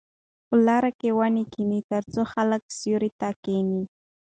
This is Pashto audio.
په لارو کې ونې کېنئ ترڅو خلک سیوري ته کښېني.